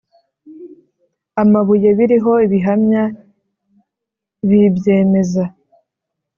Amabuye biriho ibihamya bibyemeza